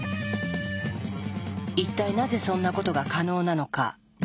一体なぜそんなことが可能なのか。